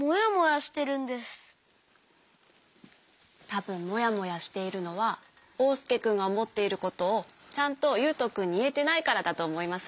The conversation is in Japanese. たぶんもやもやしているのはおうすけくんがおもっていることをちゃんとゆうとくんにいえてないからだとおもいますよ。